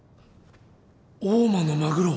大間のマグロ！？